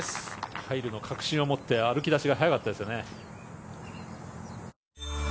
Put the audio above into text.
入るの確信を持って歩き出しが早かったですね。